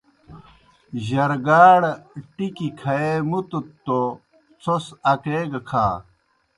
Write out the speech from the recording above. جرگاڑ ٹِکیْ کھیے مُتَت توْ څھوْس اکے گہ کھا۔